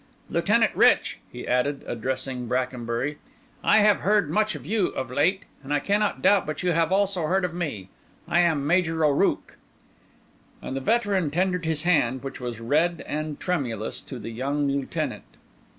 Lieutenant Rich," he added, addressing Brackenbury, "I have heard much of you of late; and I cannot doubt but you have also heard of me. I am Major O'Rooke." And the veteran tendered his hand, which was red and tremulous, to the young Lieutenant.